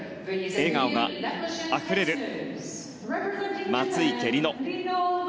笑顔があふれる松生理乃。